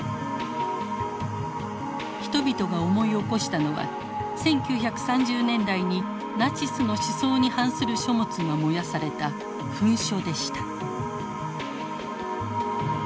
人々が思い起こしたのは１９３０年代にナチスの思想に反する書物が燃やされた焚書でした。